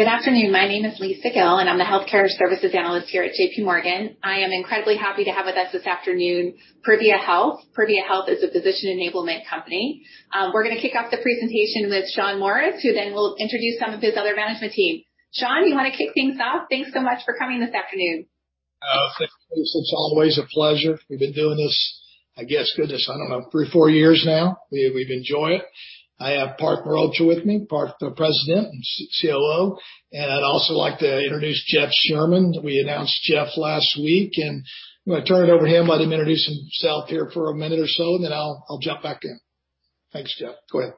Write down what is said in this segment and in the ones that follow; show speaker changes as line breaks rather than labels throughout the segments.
Good afternoon. My name is Lisa Gill, and I'm the Healthcare Services Analyst here at JPMorgan. I am incredibly happy to have with us this afternoon Privia Health. Privia Health is a physician enablement company. We're gonna kick off the presentation with Shawn Morris, who then will introduce some of his other management team. Shawn, you wanna kick things off? Thanks so much for coming this afternoon.
Oh, thank you, Lisa. It's always a pleasure. We've been doing this, I guess, goodness, I don't know, three, four years now. We've enjoyed it. I have Parth Mehrotra with me. Parth, the President and CEO. I'd also like to introduce Jeff Sherman. We announced Jeff last week, and I'm gonna turn it over to him, let him introduce himself here for a minute or so, and then I'll jump back in. Thanks, Jeff. Go ahead.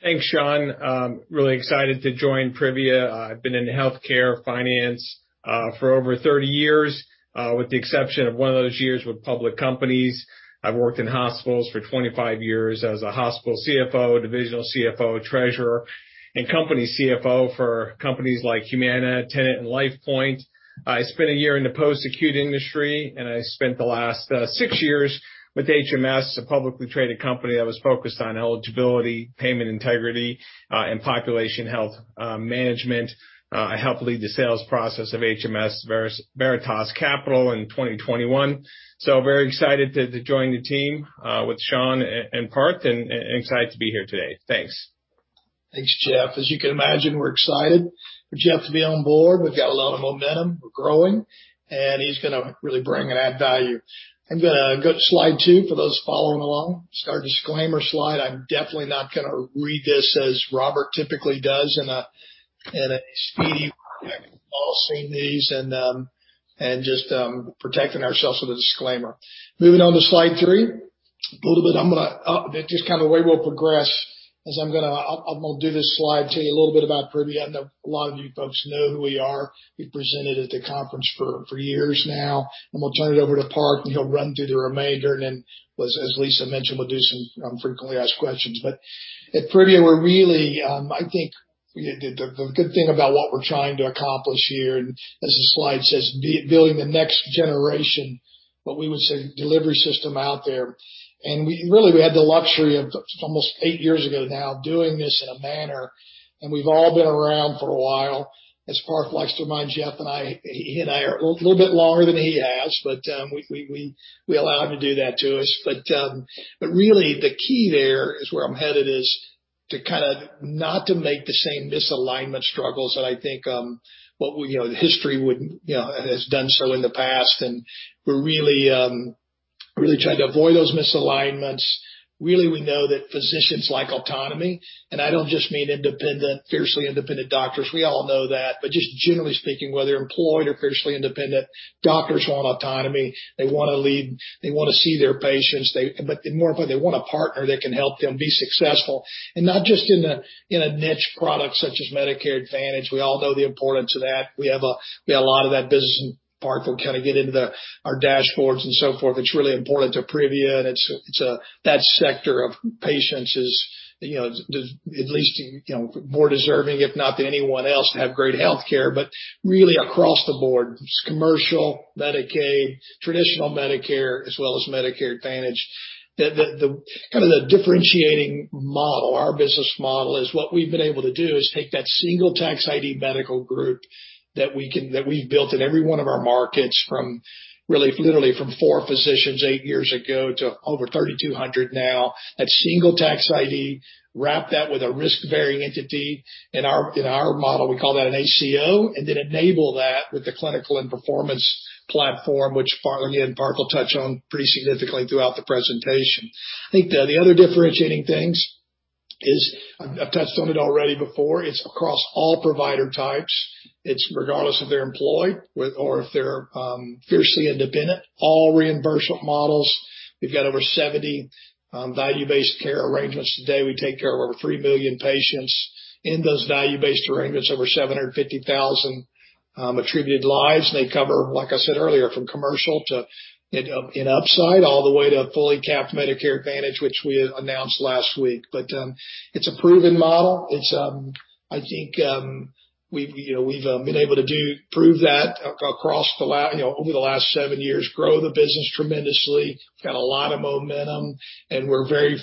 Thanks, Shawn. Really excited to join Privia. I've been in healthcare finance for over 30 years with the exception of one of those years with public companies. I've worked in hospitals for 25 years as a hospital CFO, divisional CFO, treasurer, and company CFO for companies like Humana, Tenet, and LifePoint. I spent a year in the post-acute industry, and I spent the last six years with HMS, a publicly traded company that was focused on eligibility, payment integrity, and population health management. I helped lead the sales process of HMS to Veritas Capital in 2021. Very excited to join the team with Shawn and Parth and excited to be here today. Thanks.
Thanks, Jeff. As you can imagine, we're excited for Jeff to be on board. We've got a lot of momentum. We're growing, and he's gonna really bring and add value. I'm gonna go to slide two for those following along. It's our disclaimer slide. I'm definitely not gonna read this as Robert typically does in a speedy way. I think we've all seen these and just protecting ourselves with a disclaimer. Moving on to slide three. Just kind of the way we'll progress as I'm gonna do this slide, tell you a little bit about Privia. I know a lot of you folks know who we are. We've presented at the conference for years now. We'll turn it over to Parth, and he'll run through the remainder. As Lisa mentioned, we'll do some frequently asked questions. At Privia, we're really, I think, the good thing about what we're trying to accomplish here, and as the slide says, building the next generation, what we would say, delivery system out there. We really had the luxury of almost eight years ago now doing this in a manner, and we've all been around for a while. As Parth likes to remind Jeff and I. He and I are a little bit longer than he has, but we allow him to do that to us. Really the key there is where I'm headed is to kinda not to make the same misalignment struggles that I think you know history would you know has done so in the past. We're really trying to avoid those misalignments. Really, we know that physicians like autonomy, and I don't just mean independent, fiercely independent doctors. We all know that. Just generally speaking, whether employed or fiercely independent, doctors want autonomy. They wanna lead. They wanna see their patients. More important, they want a partner that can help them be successful. Not just in a niche product such as Medicare Advantage. We all know the importance of that. We have a lot of that business, and Parth will kinda get into our dashboards and so forth. It's really important to Privia, and it's that sector of patients is, you know, at least, you know, more deserving, if not anyone else, to have great healthcare. Really across the board, commercial, Medicaid, traditional Medicare, as well as Medicare Advantage. The differentiating model, our business model is what we've been able to do is take that single tax ID medical group that we've built in every one of our markets from really literally from 4 physicians eight years ago to over 3,200 now. That single tax ID, wrap that with a risk-bearing entity. In our model, we call that an ACO, and then enable that with the clinical and performance platform, which Parth, again, Parth will touch on pretty significantly throughout the presentation. I think the other differentiating things is, I've touched on it already before, it's across all provider types. It's regardless if they're employed with or if they're fiercely independent, all reimbursement models. We've got over 70 value-based care arrangements today. We take care of over 3 million patients in those value-based arrangements, over 750,000 attributed lives. They cover, like I said earlier, from commercial to in upside, all the way to fully capped Medicare Advantage, which we announced last week. It's a proven model. I think you know we've been able to prove that across, you know, over the last seven years, grow the business tremendously. We've got a lot of momentum, and we're very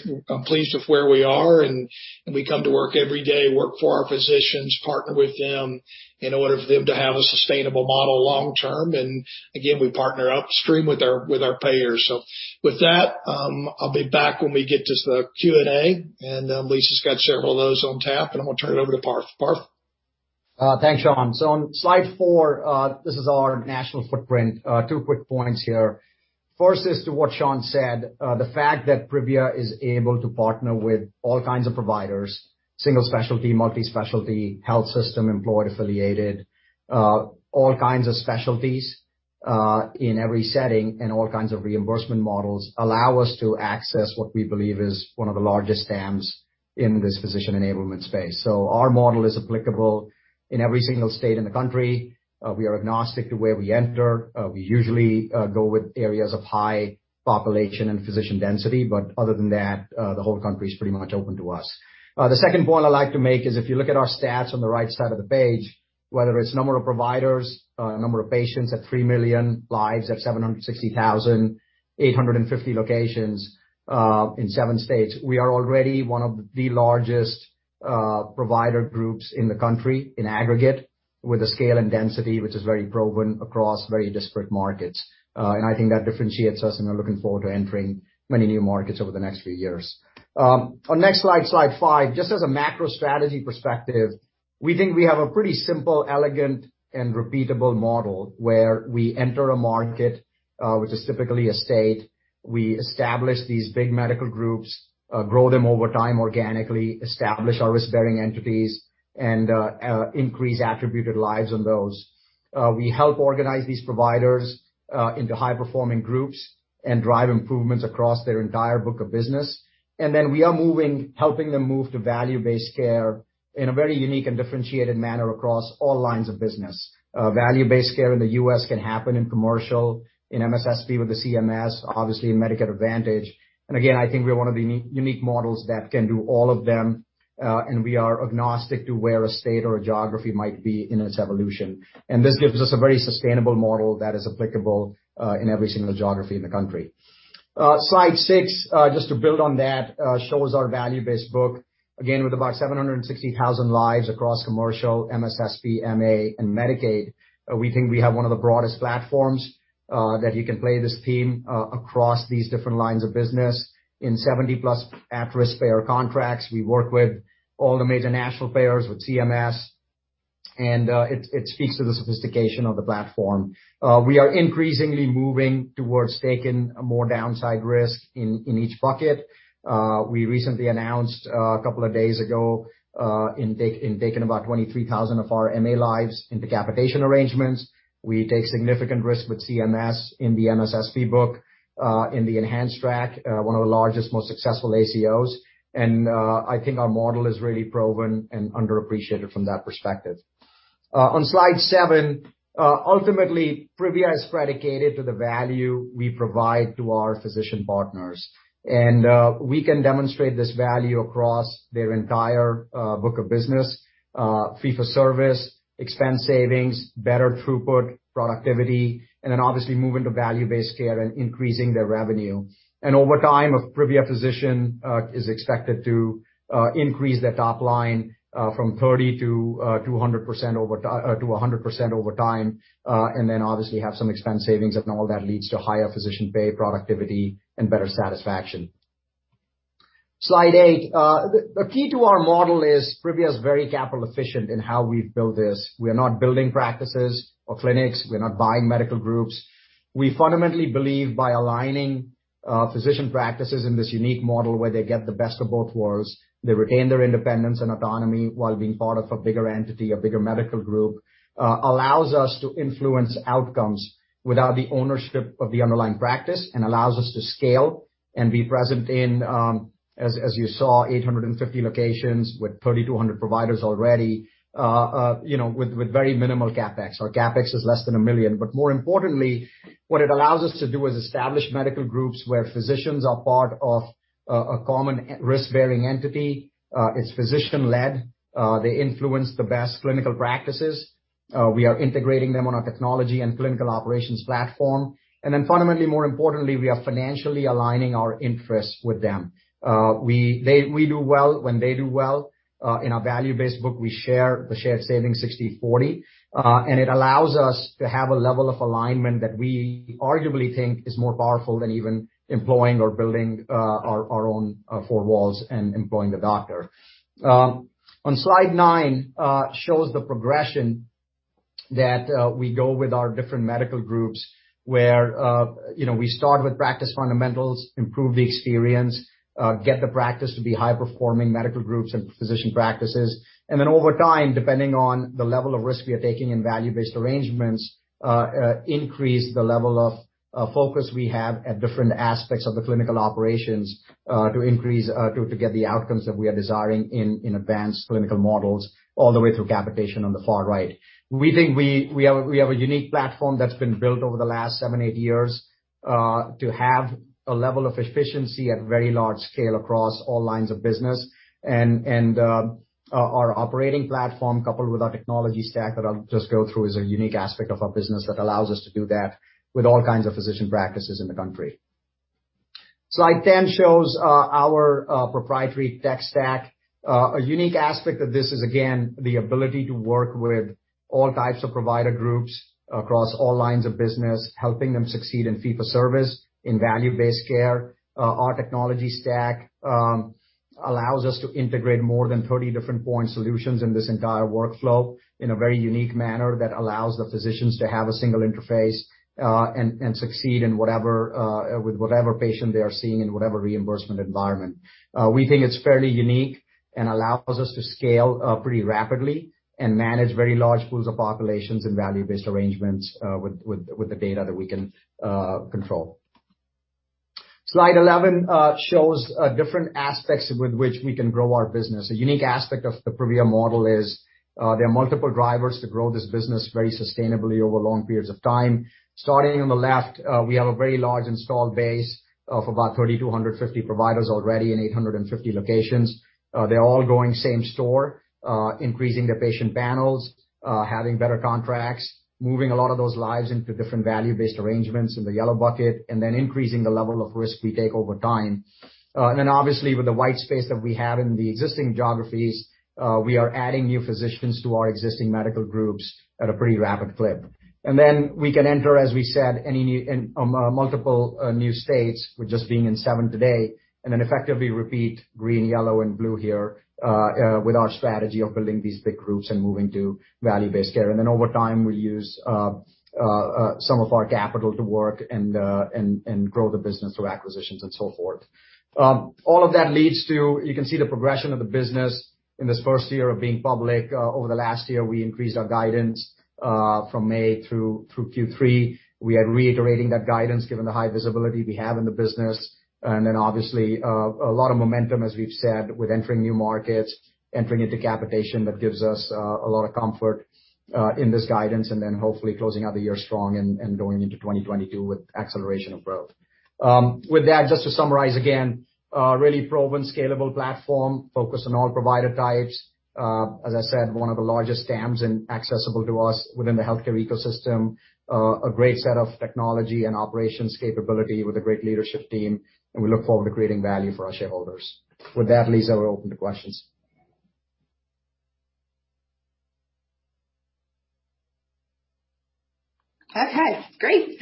pleased with where we are, and we come to work every day, work for our physicians, partner with them in order for them to have a sustainable model long term. Again, we partner upstream with our payers. With that, I'll be back when we get to the Q&A, and Lisa's got several of those on tap, and I'm gonna turn it over to Parth. Parth.
Thanks, Shawn. On slide four, this is our national footprint. Two quick points here. First, as to what Shawn said, the fact that Privia is able to partner with all kinds of providers, single specialty, multi-specialty, health system, employed, affiliated, all kinds of specialties, in every setting and all kinds of reimbursement models, allow us to access what we believe is one of the largest TAMs in this physician enablement space. Our model is applicable in every single state in the country. We are agnostic to where we enter. We usually go with areas of high population and physician density, but other than that, the whole country is pretty much open to us. The second point I'd like to make is if you look at our stats on the right side of the page, whether it's number of providers, number of patients at 3 million, lives at 760,000, 850 locations, in seven states. We are already one of the largest provider groups in the country in aggregate. With the scale and density, which is very proven across very disparate markets. I think that differentiates us, and we're looking forward to entering many new markets over the next few years. On the next slide five, just as a macro strategy perspective, we think we have a pretty simple, elegant, and repeatable model where we enter a market, which is typically a state. We establish these big medical groups, grow them over time organically, establish our risk-bearing entities, and increase attributed lives on those. We help organize these providers into high-performing groups and drive improvements across their entire book of business. We are helping them move to value-based care in a very unique and differentiated manner across all lines of business. Value-based care in the U.S. can happen in commercial, in MSSP with the CMS, obviously in Medicare Advantage. Again, I think we're one of the unique models that can do all of them, and we are agnostic to where a state or a geography might be in its evolution. This gives us a very sustainable model that is applicable in every single geography in the country. Slide six just to build on that shows our value-based book, again, with about 760,000 lives across commercial, MSSP, MA, and Medicaid. We think we have one of the broadest platforms that you can play this theme across these different lines of business in 70+ at-risk payer contracts. We work with all the major national payers, with CMS, and it speaks to the sophistication of the platform. We are increasingly moving towards taking more downside risk in each bucket. We recently announced a couple of days ago in taking about 23,000 of our MA lives in capitation arrangements. We take significant risk with CMS in the MSSP book in the enhanced track one of the largest, most successful ACOs. I think our model is really proven and underappreciated from that perspective. On slide seven, ultimately, Privia is predicated on the value we provide to our physician partners. We can demonstrate this value across their entire book of business, fee for service, expense savings, better throughput, productivity, and then obviously moving to value-based care and increasing their revenue. Over time, a Privia physician is expected to increase their top line from 30% to 100% over time, and then obviously have some expense savings, and all that leads to higher physician pay, productivity, and better satisfaction. Slide eight, the key to our model is Privia is very capital efficient in how we've built this. We are not building practices or clinics. We're not buying medical groups. We fundamentally believe by aligning physician practices in this unique model where they get the best of both worlds, they retain their independence and autonomy while being part of a bigger entity, a bigger medical group, allows us to influence outcomes without the ownership of the underlying practice and allows us to scale and be present in, as you saw, 850 locations with 3,200 providers already, you know, with very minimal CapEx. Our CapEx is less than $1 million. More importantly, what it allows us to do is establish medical groups where physicians are part of a common risk-bearing entity. It's physician-led. They influence the best clinical practices. We are integrating them on our technology and clinical operations platform. Fundamentally, more importantly, we are financially aligning our interests with them. We do well when they do well. In our value-based book, we share the shared savings 60/40, and it allows us to have a level of alignment that we arguably think is more powerful than even employing or building our own four walls and employing the doctor. On slide nine shows the progression that we go with our different medical groups, where you know, we start with practice fundamentals, improve the experience, get the practice to be high-performing medical groups and physician practices. Over time, depending on the level of risk we are taking in value-based arrangements, we increase the level of focus we have at different aspects of the clinical operations to get the outcomes that we are desiring in advanced clinical models all the way through capitation on the far right. We think we have a unique platform that's been built over the last seven, eight years to have a level of efficiency at very large scale across all lines of business. Our operating platform, coupled with our technology stack that I'll just go through, is a unique aspect of our business that allows us to do that with all kinds of physician practices in the country. Slide 10 shows our proprietary tech stack. A unique aspect of this is, again, the ability to work with all types of provider groups across all lines of business, helping them succeed in fee-for-service, in value-based care. Our technology stack allows us to integrate more than 30 different point solutions in this entire workflow in a very unique manner that allows the physicians to have a single interface and succeed in whatever with whatever patient they are seeing in whatever reimbursement environment. We think it's fairly unique and allows us to scale pretty rapidly and manage very large pools of populations and value-based arrangements with the data that we can control. Slide 11 shows different aspects with which we can grow our business. A unique aspect of the Privia model is, there are multiple drivers to grow this business very sustainably over long periods of time. Starting on the left, we have a very large installed base of about 3,250 providers already in 850 locations. They're all going same store, increasing their patient panels, having better contracts, moving a lot of those lives into different value-based arrangements in the yellow bucket, and then increasing the level of risk we take over time. Obviously, with the white space that we have in the existing geographies, we are adding new physicians to our existing medical groups at a pretty rapid clip. We can enter, as we said, any new. In multiple new states with just being in seven today, and then effectively repeat green, yellow and blue here with our strategy of building these big groups and moving to value-based care. Over time, we use some of our capital to work and grow the business through acquisitions and so forth. All of that leads to you can see the progression of the business in this first year of being public. Over the last year, we increased our guidance from May through Q3. We are reiterating that guidance given the high visibility we have in the business. Obviously, a lot of momentum, as we've said, with entering new markets, entering into capitation, that gives us a lot of comfort in this guidance. Hopefully closing out the year strong and going into 2022 with acceleration of growth. With that, just to summarize, again, really proven scalable platform, focused on all provider types. As I said, one of the largest TAMs accessible to us within the healthcare ecosystem. A great set of technology and operations capability with a great leadership team, and we look forward to creating value for our shareholders. With that, Lisa, we're open to questions.
Okay, great.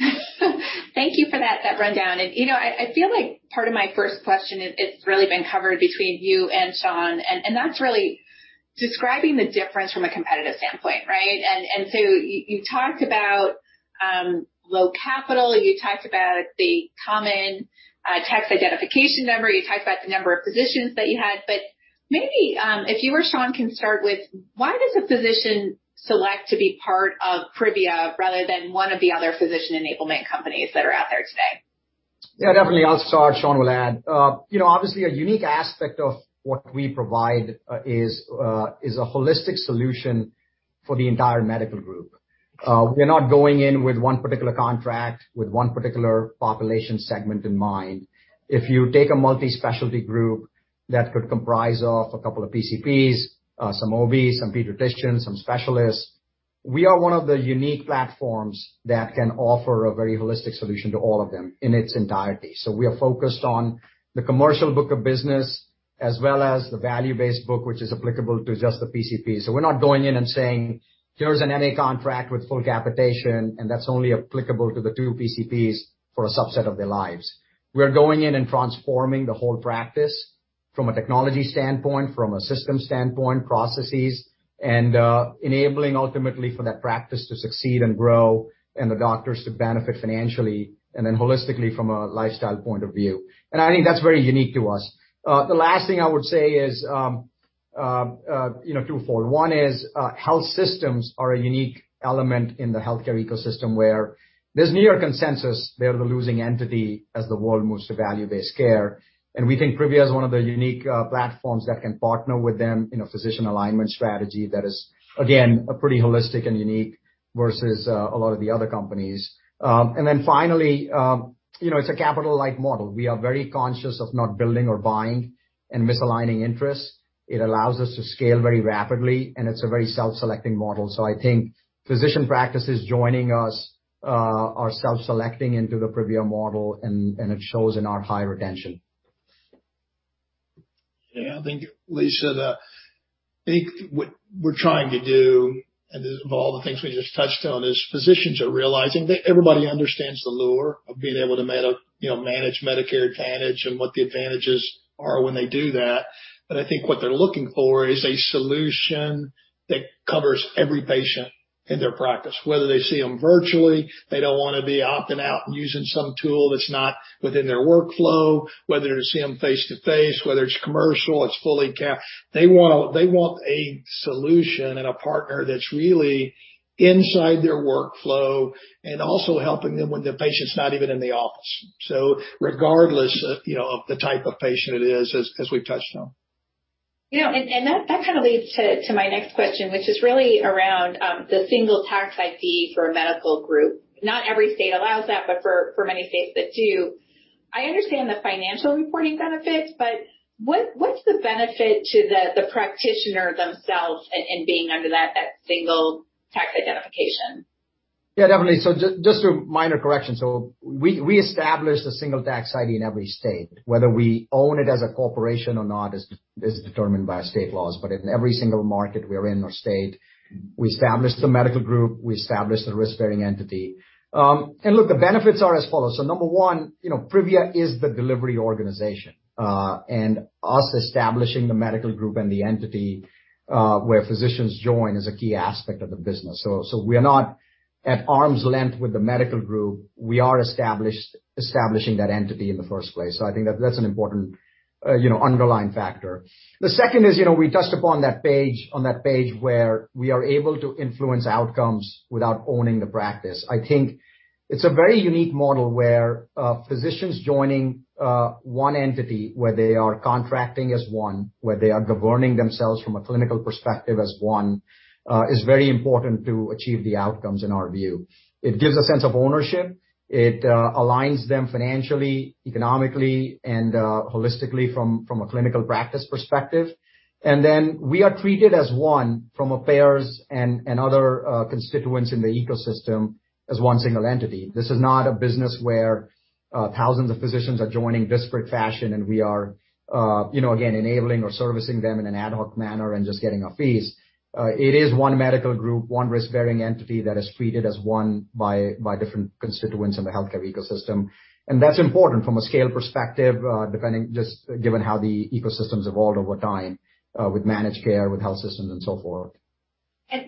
Thank you for that rundown. You know, I feel like part of my first question, it's really been covered between you and Shawn, and that's really describing the difference from a competitive standpoint, right? You talked about low capital, you talked about the common tax identification number, you talked about the number of physicians that you had. But maybe, if you or Shawn can start with why a physician selects to be part of Privia rather than one of the other physician enablement companies that are out there today?
Yeah, definitely. I'll start, Shawn will add. You know, obviously a unique aspect of what we provide is a holistic solution for the entire medical group. We're not going in with one particular contract, with one particular population segment in mind. If you take a multi-specialty group that could comprise of a couple of PCPs, some OBs, some pediatricians, some specialists, we are one of the unique platforms that can offer a very holistic solution to all of them in its entirety. We are focused on the commercial book of business as well as the value-based book, which is applicable to just the PCPs. We're not going in and saying, "Here's an NA contract with full capitation, and that's only applicable to the two PCPs for a subset of their lives." We're going in and transforming the whole practice from a technology standpoint, from a systems standpoint, processes, and enabling ultimately for that practice to succeed and grow and the doctors to benefit financially and then holistically from a lifestyle point of view. I think that's very unique to us. The last thing I would say is, you know, twofold. One is, health systems are a unique element in the healthcare ecosystem where there's near consensus they are the losing entity as the world moves to value-based care. We think Privia is one of the unique platforms that can partner with them in a physician alignment strategy that is, again, pretty holistic and unique versus a lot of the other companies. Finally, you know, it's a capital-light model. We are very conscious of not building or buying and misaligning interests. It allows us to scale very rapidly, and it's a very self-selecting model. I think physician practices joining us are self-selecting into the Privia model and it shows in our high retention.
Yeah. I think, Lisa, I think what we're trying to do, and of all the things we just touched on, is physicians are realizing that everybody understands the lure of being able to manage Medicare Advantage and what the advantages are when they do that. I think what they're looking for is a solution that covers every patient in their practice, whether they see them virtually. They don't wanna be opting out and using some tool that's not within their workflow. Whether they see them face-to-face, whether it's commercial, it's fully cap. They want a solution and a partner that's really inside their workflow and also helping them when the patient's not even in the office. Regardless of, you know, of the type of patient it is, as we've touched on.
That kinda leads to my next question, which is really around the single tax ID for a medical group. Not every state allows that, but for many states that do. I understand the financial reporting benefits, but what's the benefit to the practitioner themselves in being under that single tax identification?
Yeah, definitely. A minor correction. We established a single tax ID in every state. Whether we own it as a corporation or not is determined by state laws. In every single market we are in or state, we established a medical group, we established a risk-bearing entity. Look, the benefits are as follows. Number one, you know, Privia is the delivery organization. Us establishing the medical group and the entity where physicians join is a key aspect of the business. We are not at arm's length with the medical group. We are establishing that entity in the first place. I think that's an important, you know, underlying factor. The second is, you know, we touched upon that page where we are able to influence outcomes without owning the practice. I think it's a very unique model where, physicians joining, one entity where they are contracting as one, where they are governing themselves from a clinical perspective as one, is very important to achieve the outcomes in our view. It gives a sense of ownership. It aligns them financially, economically, and holistically from a clinical practice perspective. We are treated as one from payers and other constituents in the ecosystem as one single entity. This is not a business where, thousands of physicians are joining disparate fashion, and we are, you know, again, enabling or servicing them in an ad hoc manner and just getting fees. It is one medical group, one risk-bearing entity that is treated as one by different constituents in the healthcare ecosystem. That's important from a scale perspective, depending just given how the ecosystems evolved over time, with managed care, with health systems and so forth.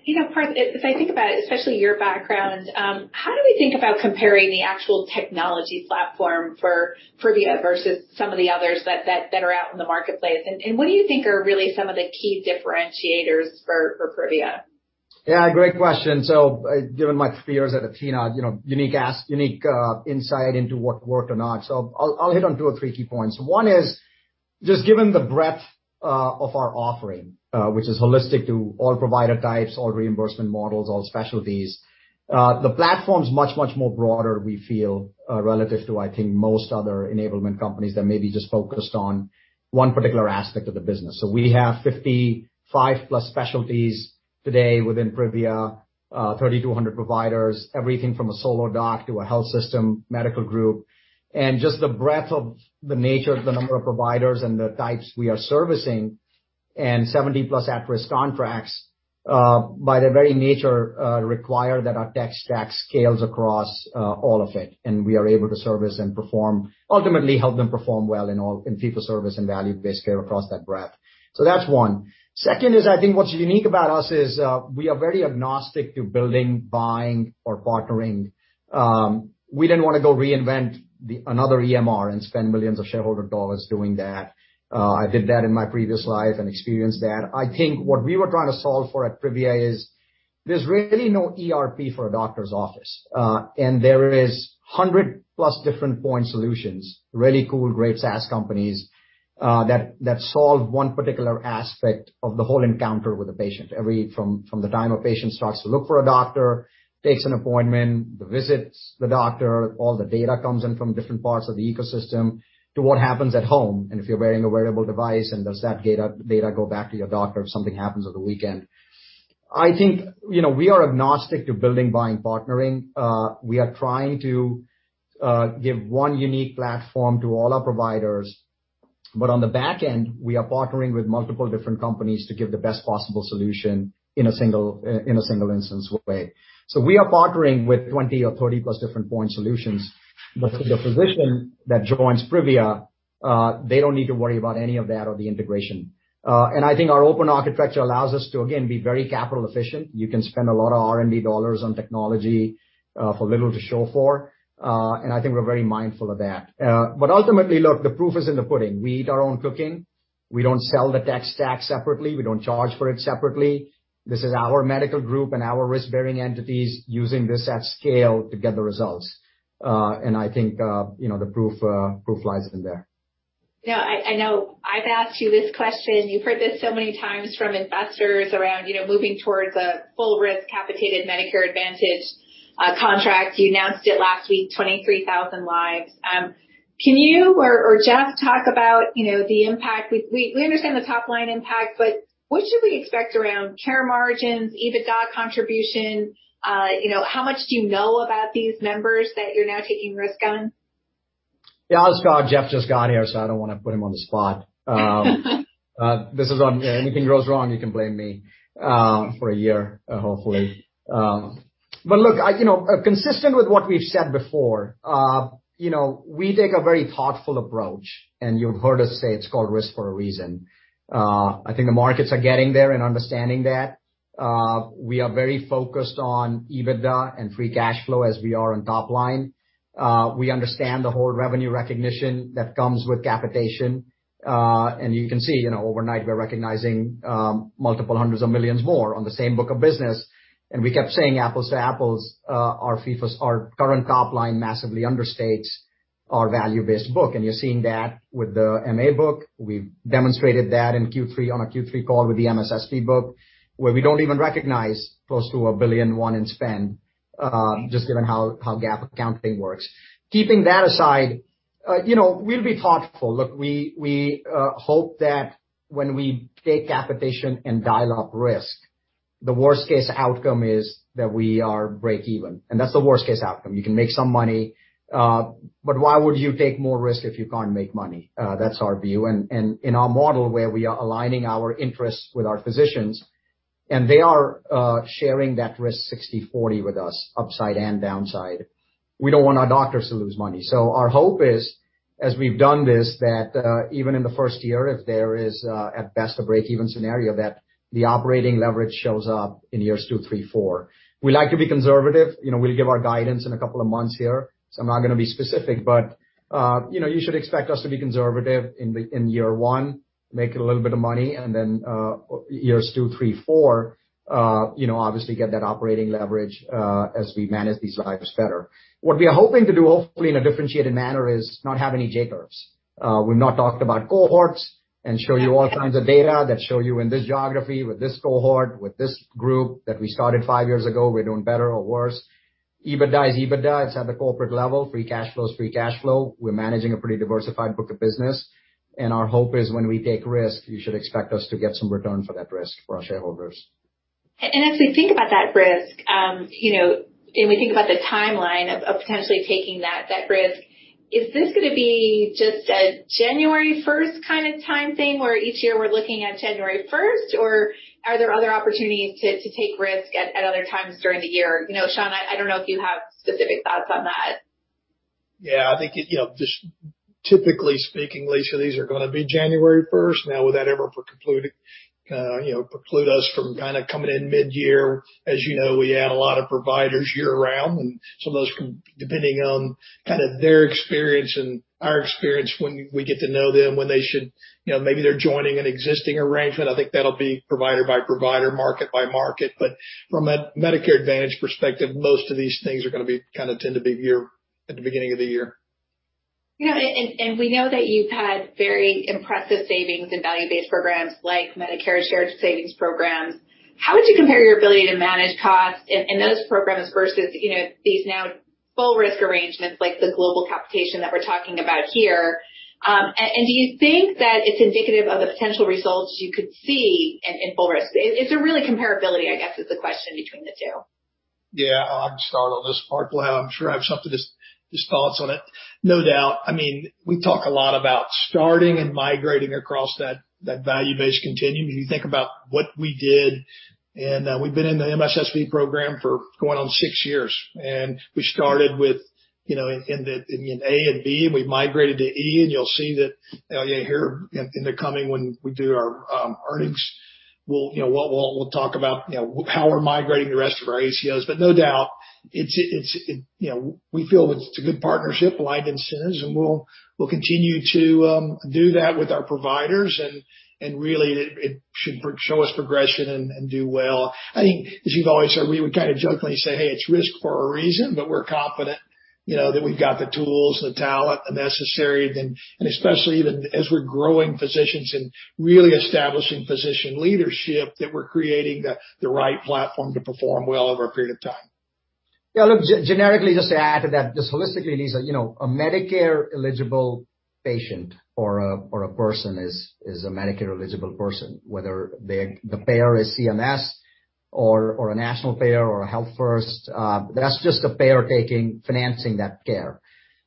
You know, Parth, if I think about it, especially your background, how do we think about comparing the actual technology platform for Privia versus some of the others that are out in the marketplace? What do you think are really some of the key differentiators for Privia?
Yeah, great question. Given my years at athenahealth, you know, unique insight into what worked or not. I'll hit on two or three key points. One is just given the breadth of our offering, which is holistic to all provider types, all reimbursement models, all specialties, the platform's much more broader, we feel, relative to, I think, most other enablement companies that maybe just focused on one particular aspect of the business. We have 55+ specialties today within Privia, 3,200 providers, everything from a solo doc to a health system medical group. Just the breadth of the nature of the number of providers and the types we are servicing, and 70-plus at-risk contracts, by their very nature, require that our tech stack scales across all of it, and we are able to service and perform, ultimately help them perform well in all, in fee-for-service and value-based care across that breadth. That's one. Second is, I think what's unique about us is, we are very agnostic to building, buying or partnering. We didn't wanna go reinvent another EMR and spend millions of shareholder dollars doing that. I did that in my previous life and experienced that. I think what we were trying to solve for at Privia is there's really no ERP for a doctor's office, and there is 100+ different point solutions, really cool, great SaaS companies, that solve one particular aspect of the whole encounter with a patient. Everything from the time a patient starts to look for a doctor, takes an appointment, visits the doctor, all the data comes in from different parts of the ecosystem to what happens at home. If you're wearing a wearable device and does that data go back to your doctor if something happens on the weekend. I think, you know, we are agnostic to building, buying, partnering. We are trying to give one unique platform to all our providers, but on the back end, we are partnering with multiple different companies to give the best possible solution in a single instance way. We are partnering with 20+ or 30+ different point solutions. For the physician that joins Privia, they don't need to worry about any of that or the integration. I think our open architecture allows us to again be very capital efficient. You can spend a lot of R&D dollars on technology for little to show for. I think we're very mindful of that. Ultimately, look, the proof is in the pudding. We eat our own cooking. We don't sell the tech stack separately. We don't charge for it separately. This is our medical group and our risk-bearing entities using this at scale to get the results. I think, you know, the proof lies in there.
Yeah, I know I've asked you this question, you've heard this so many times from investors around, you know, moving towards a full risk capitated Medicare Advantage contract. You announced it last week, 23,000 lives. Can you or Jeff talk about, you know, the impact? We understand the top line impact, but what should we expect around care margins, EBITDA contribution? You know, how much do you know about these members that you're now taking risk on?
Yeah, I'll start. Jeff just got here, so I don't wanna put him on the spot. If anything goes wrong, you can blame me for a year, hopefully. But look, you know, consistent with what we've said before, you know, we take a very thoughtful approach, and you've heard us say it's called risk for a reason. I think the markets are getting there and understanding that. We are very focused on EBITDA and free cash flow as we are on top line. We understand the whole revenue recognition that comes with capitation. You can see, you know, overnight we're recognizing multiple hundreds of millions more on the same book of business. We kept saying apples to apples, our FIF's, our current top line massively understates our value-based book, and you're seeing that with the MA book. We've demonstrated that in Q3, on our Q3 call with the MSSP book, where we don't even recognize close to $1 billion in spend, just given how GAAP accounting works. Keeping that aside, you know, we'll be thoughtful. Look, we hope that when we take capitation and dial up risk, the worst case outcome is that we are break even, and that's the worst case outcome. You can make some money, but why would you take more risk if you can't make money? That's our view. In our model where we are aligning our interests with our physicians. They are sharing that risk 60/40 with us, upside and downside. We don't want our doctors to lose money. Our hope is, as we've done this, that even in the first year, if there is, at best, a break-even scenario, that the operating leverage shows up in years two, three, four. We like to be conservative. You know, we'll give our guidance in a couple of months here, so I'm not gonna be specific, but you know, you should expect us to be conservative in year one, make a little bit of money, and then years two, three, four, you know, obviously get that operating leverage as we manage these lives better. What we are hoping to do, hopefully in a differentiated manner, is not have any J curves. We've not talked about cohorts and show you all kinds of data that show you in this geography with this cohort, with this group that we started five years ago, we're doing better or worse. EBITDA is EBITDA. It's at the corporate level. Free cash flow is free cash flow. We're managing a pretty diversified book of business, and our hope is when we take risks, you should expect us to get some return for that risk for our shareholders.
As we think about that risk, you know, and we think about the timeline of potentially taking that risk, is this gonna be just a January first kind of time thing, where each year we're looking at January first? Or are there other opportunities to take risks at other times during the year? You know, Shawn, I don't know if you have specific thoughts on that.
Yeah. I think it. You know, just typically speaking, Lisa, these are gonna be January first. Now, would that ever preclude us from kinda coming in mid-year? As you know, we add a lot of providers year-round, and some of those can, depending on kinda their experience and our experience when we get to know them. You know, maybe they're joining an existing arrangement. I think that'll be provider by provider, market by market. From a Medicare Advantage perspective, most of these things are gonna be, kinda tend to be at the beginning of the year.
We know that you've had very impressive savings and value-based programs like Medicare Shared Savings programs. How would you compare your ability to manage costs in those programs versus, you know, these now full risk arrangements like the global capitation that we're talking about here? Do you think that it's indicative of the potential results you could see in full risk? Is there really comparability, I guess, is the question between the two?
Yeah. I'll start on this, Parth. I'm sure he has his thoughts on it. No doubt. I mean, we talk a lot about starting and migrating across that value-based continuum. You think about what we did, and we've been in the MSSP program for going on six years, and we started with, you know, in A and B, and we've migrated to E. You'll see that here in the coming when we do our earnings. We'll, you know, talk about, you know, how we're migrating the rest of our ACOs. No doubt it's a good partnership, aligned incentives, and we'll continue to do that with our providers and really it should show us progression and do well. You know, we feel it's a good partnership, aligned incentives, and we'll continue to do that with our providers and really it should show us progression and do well. I think as you've always said, we would kinda jokingly say, "Hey, it's risk for a reason," but we're confident, you know, that we've got the tools and the talent necessary, then, and especially even as we're growing physicians and really establishing physician leadership, that we're creating the right platform to perform well over a period of time.
Yeah. Look, generically, just to add to that, just holistically, Lisa, you know, a Medicare-eligible patient or a person is a Medicare-eligible person, whether the payer is CMS or a national payer or a Health First, that's just a payer taking financing that care.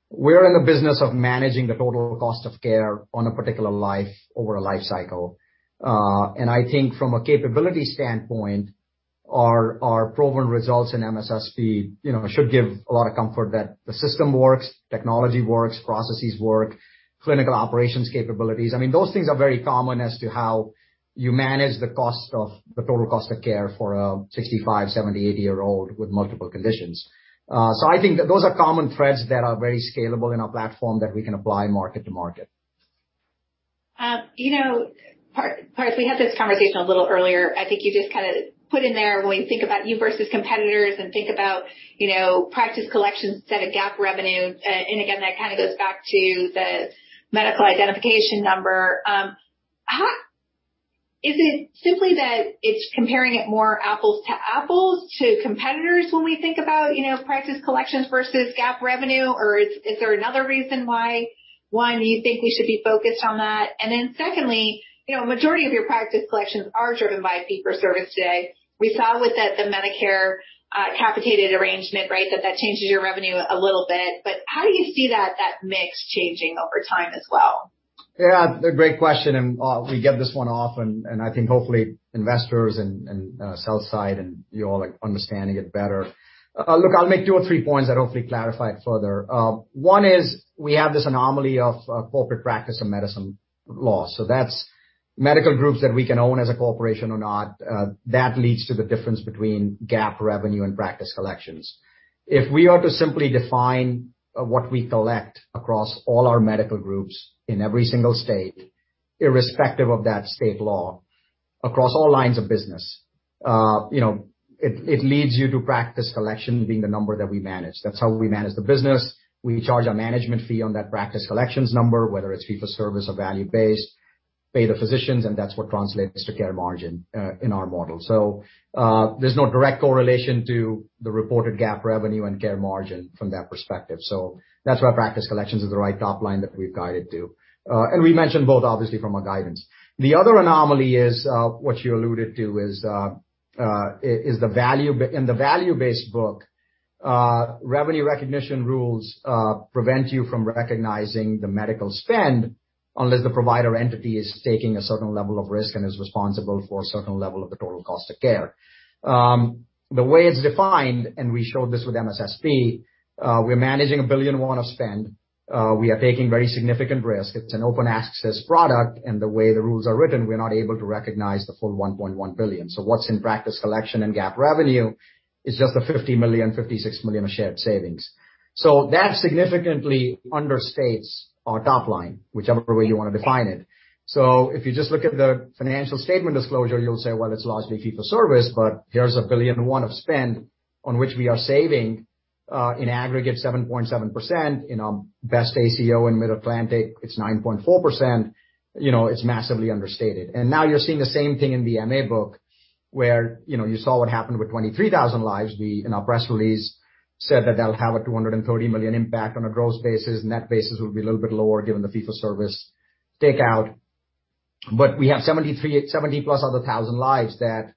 We're in the business of managing the total cost of care on a particular life over a life cycle. I think from a capability standpoint, our proven results in MSSP, you know, should give a lot of comfort that the system works, technology works, processes work, clinical operations capabilities. I mean, those things are very common as to how you manage the cost of, the total cost of care for a 65-, 70-, 80-year-old with multiple conditions. I think that those are common threads that are very scalable in our platform that we can apply market to market.
You know, Parth, we had this conversation a little earlier. I think you just kinda put in there when we think about you versus competitors and think about, you know, practice collections instead of GAAP revenue, and again, that kinda goes back to the medical identification number. How is it simply that it's comparing it more apples to apples to competitors when we think about, you know, practice collections versus GAAP revenue? Or is there another reason why, one, you think we should be focused on that? Secondly, you know, majority of your practice collections are driven by fee-for-service today. We saw with the Medicare capitated arrangement, right, that changes your revenue a little bit, but how do you see that mix changing over time as well?
Yeah. A great question, and we get this one often, and I think hopefully investors and sell side and you all are understanding it better. Look, I'll make two or three points that hopefully clarify it further. One is we have this anomaly of corporate practice and medicine law. So that's medical groups that we can own as a corporation or not, that leads to the difference between GAAP revenue and practice collections. If we are to simply define what we collect across all our medical groups in every single state, irrespective of that state law, across all lines of business, you know, it leads you to practice collection being the number that we manage. That's how we manage the business. We charge a management fee on that practice collections number, whether it's fee for service or value-based, pay the physicians, and that's what translates to care margin in our model. There's no direct correlation to the reported GAAP revenue and care margin from that perspective. That's why practice collections is the right top line that we've guided to. We mentioned both, obviously, from our guidance. The other anomaly is what you alluded to is the value in the value-based book. Revenue recognition rules prevent you from recognizing the medical spend unless the provider entity is taking a certain level of risk and is responsible for a certain level of the total cost of care. The way it's defined, we showed this with MSSP, we're managing $1.1 billion of spend. We are taking very significant risk. It's an open access product, and the way the rules are written, we're not able to recognize the full $1.1 billion. What's in practice collection and GAAP revenue is just the $50 million, $56 million of shared savings. That significantly understates our top line, whichever way you want to define it. If you just look at the financial statement disclosure, you'll say, "Well, it's largely fee-for-service," but here's $1 billion of spend on which we are saving, in aggregate 7.7%. In our best ACO in Mid-Atlantic, it's 9.4%. You know, it's massively understated. Now you're seeing the same thing in the MA book, where, you know, you saw what happened with 23,000 lives. We, in our press release, said that that'll have a $230 million impact on a gross basis. Net basis will be a little bit lower given the fee-for-service takeout. We have +70,000 other lives that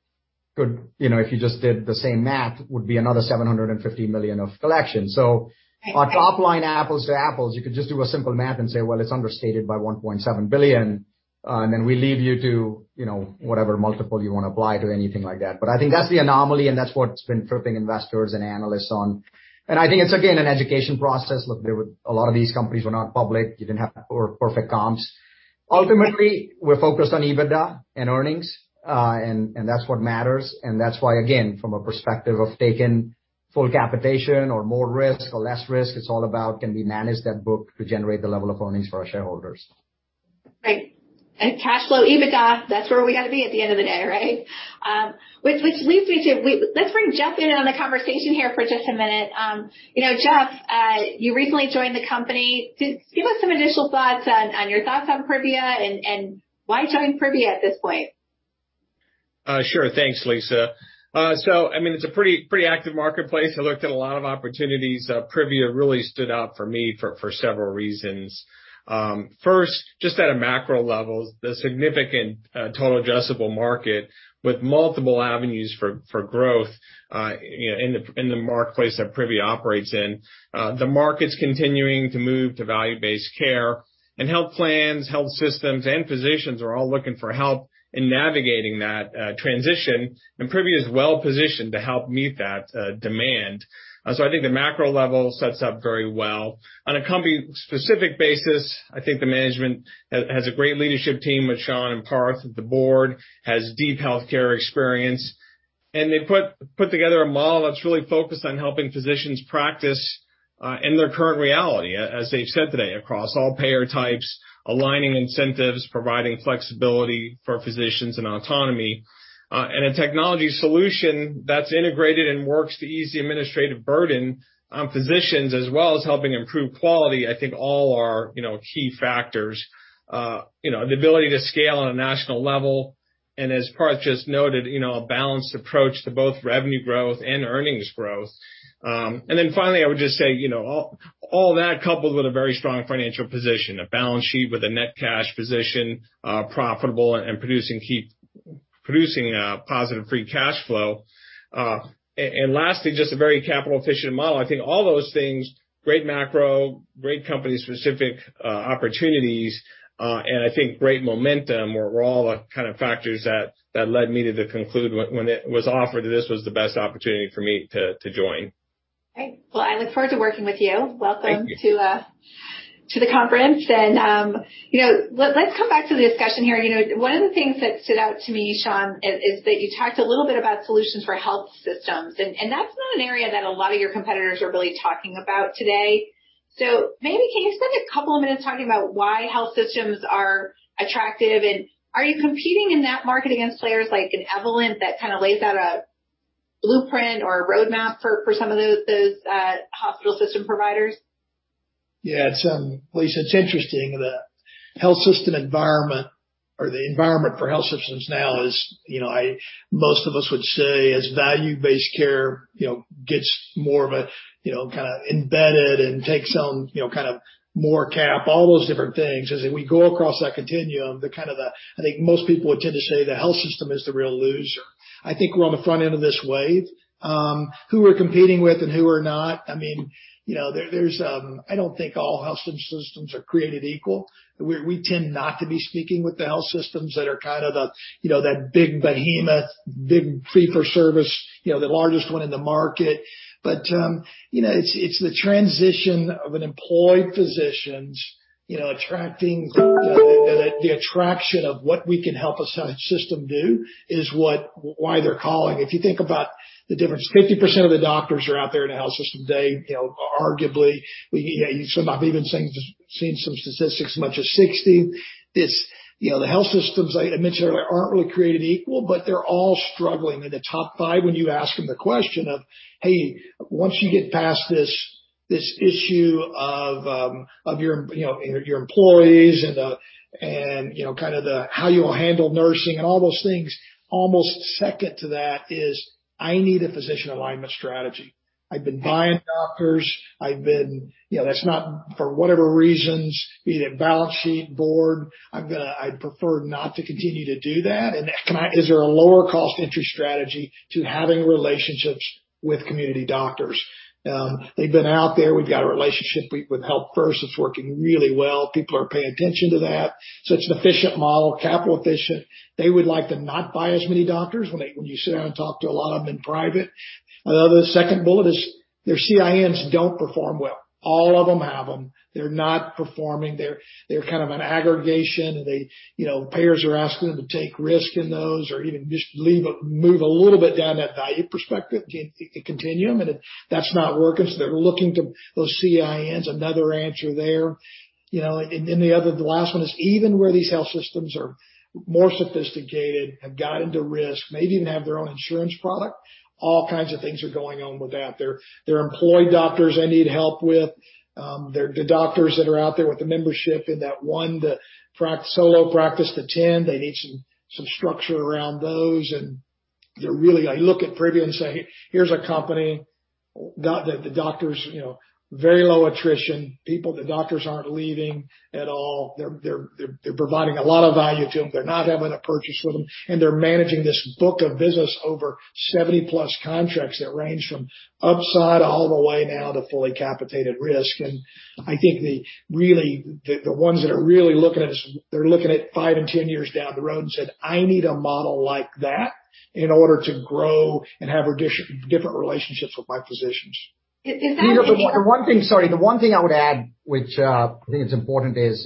could, you know, if you just did the same math, would be another $750 million of collection. Our top line apples to apples, you could just do a simple math and say, well, it's understated by $1.7 billion. Then we leave you to, you know, whatever multiple you wanna apply to anything like that. I think that's the anomaly, and that's what's been tripping investors and analysts up. I think it's again an education process. Look, there were a lot of these companies were not public, didn't have perfect comps. Ultimately, we're focused on EBITDA and earnings, and that's what matters. That's why, again, from a perspective of taking full capitation or more risk or less risk, it's all about can we manage that book to generate the level of earnings for our shareholders?
Right. Cash flow, EBITDA, that's where we gotta be at the end of the day, right? Which leads me to. Let's bring Jeff in on the conversation here for just a minute. You know, Jeff, you recently joined the company. Give us some initial thoughts on your thoughts on Privia and why join Privia at this point?
Sure. Thanks, Lisa. I mean, it's a pretty active marketplace. I looked at a lot of opportunities. Privia really stood out for me for several reasons. First, just at a macro level, the significant total addressable market with multiple avenues for growth, you know, in the marketplace that Privia operates in. The market's continuing to move to value-based care and health plans, health systems, and physicians are all looking for help in navigating that transition, and Privia is well positioned to help meet that demand. I think the macro level sets up very well. On a company specific basis, I think the management has a great leadership team with Shawn and Parth. The board has deep healthcare experience, and they put together a model that's really focused on helping physicians practice in their current reality, as they've said today, across all payer types, aligning incentives, providing flexibility for physicians and autonomy, and a technology solution that's integrated and works to ease the administrative burden on physicians as well as helping improve quality. I think all are, you know, key factors. You know, the ability to scale on a national level and as Parth just noted, you know, a balanced approach to both revenue growth and earnings growth. Then finally, I would just say, you know, all that coupled with a very strong financial position, a balance sheet with a net cash position, profitable and producing positive free cash flow. And lastly, just a very capital efficient model. I think all those things, great macro, great company specific opportunities, and I think great momentum were all the kind of factors that led me to conclude when it was offered that this was the best opportunity for me to join.
Great. Well, I look forward to working with you.
Thank you.
Welcome to the conference. Let's come back to the discussion here. One of the things that stood out to me, Shawn, is that you talked a little bit about solutions for health systems, and that's not an area that a lot of your competitors are really talking about today. Maybe you can spend a couple of minutes talking about why health systems are attractive. Are you competing in that market against players like Evolent that kind of lays out a blueprint or a roadmap for some of those hospital system providers?
Yeah, it's Lisa, it's interesting. The health system environment or the environment for health systems now is, you know, most of us would say as value-based care, you know, gets more of a, you know, kinda embedded and takes on, you know, kind of more cap, all those different things, as we go across that continuum. I think most people would tend to say the health system is the real loser. I think we're on the front end of this wave. Who we're competing with and who we're not, I mean, you know, I don't think all health systems are created equal. We tend not to be speaking with the health systems that are kind of the, you know, that big behemoth, big fee-for-service, you know, the largest one in the market. It's the transition of employed physicians, you know, attracting the attraction of what we can help a system do is why they're calling. If you think about the difference, 50% of the doctors are out there in the health system today, you know, arguably, some I've even seen some statistics as much as 60. The health systems I mentioned earlier aren't really created equal, but they're all struggling. In the top 5, when you ask them the question of, "Hey, once you get past this issue of your employees and, you know, kind of the how you'll handle nursing and all those things," almost second to that is, "I need a physician alignment strategy. I've been buying doctors. You know, that's not for whatever reasons, be it a balance sheet board. I'd prefer not to continue to do that. Is there a lower cost entry strategy to having relationships with community doctors? They've been out there. We've got a relationship with Health First. It's working really well. People are paying attention to that. It's an efficient model, capital efficient. They would like to not buy as many doctors when you sit down and talk to a lot of them in private. The second bullet is their CINs don't perform well. All of them have them. They're not performing. They're kind of an aggregation. They, you know, payers are asking them to take risk in those or even just move a little bit down that value-based care continuum, and that's not working. They're looking to those CINs, another answer there. You know, and the other, the last one is even where these health systems are more sophisticated, have gotten to risk, maybe even have their own insurance product, all kinds of things are going on with that. Their employed doctors, they need help with, their, the doctors that are out there with the membership in that one, the solo practice to ten. They need some structure around those. They're really like, look at Privia and say, "Here's a company, doing the doctors, you know, very low attrition. People, the doctors aren't leaving at all. They're providing a lot of value to them. They're not having to purchase with them, and they're managing this book of business over 70-plus contracts that range from upside all the way now to fully capitated risk. I think the ones that are really looking at is they're looking at five and ten years down the road and said, "I need a model like that in order to grow and have different relationships with my physicians.
Is that-
The one thing I would add, which I think it's important is,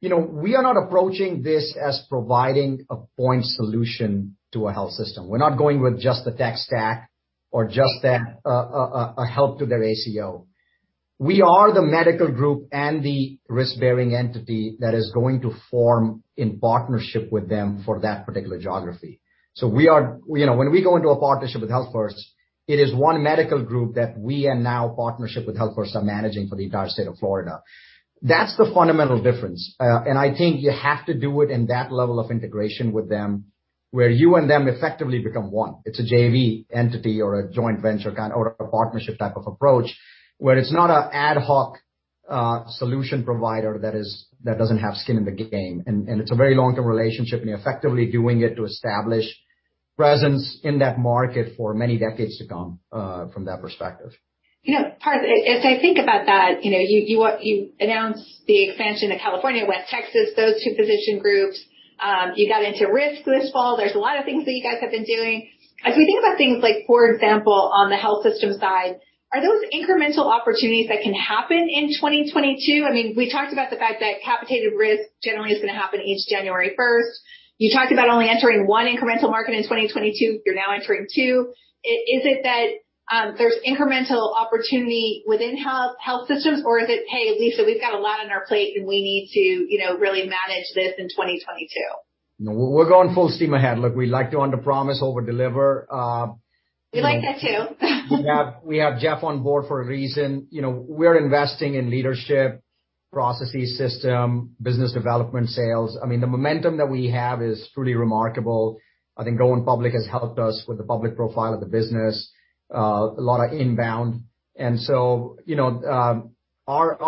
you know, we are not approaching this as providing a point solution to a health system. We are not going with just the tech stack or just a help to their ACO. We are the medical group and the risk-bearing entity that is going to form in partnership with them for that particular geography. We are, when we go into a partnership with Health First, it is one medical group that we are now, in partnership with Health First, are managing for the entire state of Florida. That is the fundamental difference. I think you have to do it in that level of integration with them, where you and them effectively become one. It's a JV entity or a joint venture kind or a partnership type of approach, where it's not ad hoc solution provider that is, that doesn't have skin in the game. And it's a very long-term relationship, and you're effectively doing it to establish presence in that market for many decades to come, from that perspective.
You know, Parth, as I think about that, you know, you announced the expansion to California, West Texas, those two physician groups. You got into risk this fall. There's a lot of things that you guys have been doing. As we think about things like, for example, on the health system side, are those incremental opportunities that can happen in 2022? I mean, we talked about the fact that capitated risk generally is gonna happen each January first. You talked about only entering one incremental market in 2022. You're now entering two. Is it that, there's incremental opportunity within health systems or is it, hey, Lisa, we've got a lot on our plate and we need to, you know, really manage this in 2022?
No, we're going full steam ahead. Look, we like to underpromise, overdeliver.
We like that, too.
We have Jeff on board for a reason. You know, we're investing in leadership, processes, system, business development, sales. I mean, the momentum that we have is truly remarkable. I think going public has helped us with the public profile of the business, a lot of inbound. You know, what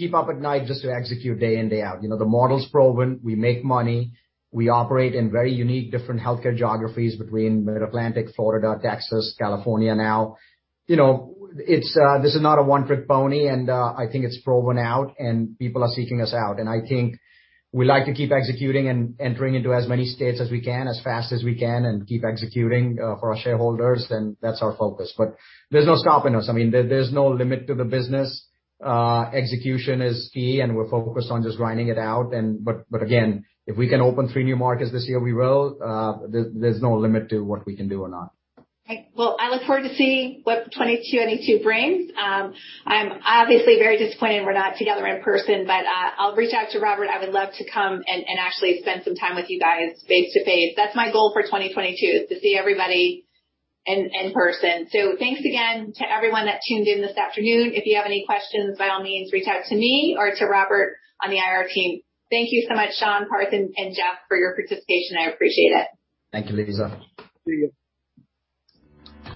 keeps us up at night just to execute day in, day out. You know, the model's proven. We make money. We operate in very unique different healthcare geographies between Mid-Atlantic, Florida, Texas, California now. You know, this is not a one-trick pony, and I think it's proven out and people are seeking us out. I think we like to keep executing and entering into as many states as we can, as fast as we can, and keep executing for our shareholders. Then that's our focus. There's no stopping us. I mean, there's no limit to the business. Execution is key, and we're focused on just grinding it out. But again, if we can open three new markets this year, we will. There's no limit to what we can do or not.
Well, I look forward to seeing what 2022 brings. I'm obviously very disappointed we're not together in person, but I'll reach out to Robert. I would love to come and actually spend some time with you guys face-to-face. That's my goal for 2022, is to see everybody in person. Thanks again to everyone that tuned in this afternoon. If you have any questions, by all means, reach out to me or to Robert on the IR team. Thank you so much, Shawn, Parth, and Jeff for your participation. I appreciate it.
Thank you, Lisa.
Thank you.